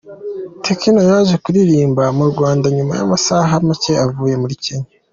Tekno yaje kuririmba mu Rwanda nyuma y’amasaha make avuye muri Kenya.